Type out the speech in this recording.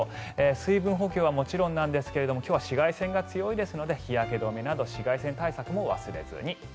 水分補給はもちろんなんですが今日は紫外線が強いですので日焼け止めなど紫外線対策も忘れずに。